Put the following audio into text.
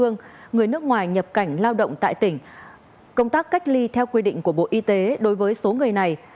người nước ngoài nhập cảnh lao động tại tỉnh công tác cách ly theo quy định của bộ y tế đối với số người này